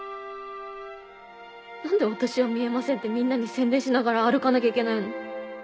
何で「私は見えません」ってみんなに宣伝しながら歩かなきゃいけないの？